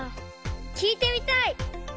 きいてみたい！